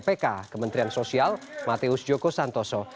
pk kementerian sosial mateus joko santoso